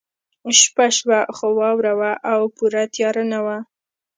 شپه شوه خو واوره وه او پوره تیاره نه وه